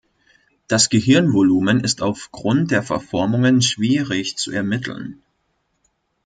Das Gehirnvolumen ist aufgrund der Verformungen schwierig zu ermitteln.